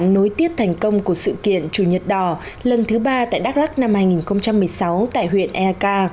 nối tiếp thành công của sự kiện chủ nhật đỏ lần thứ ba tại đắk lắc năm hai nghìn một mươi sáu tại huyện e a k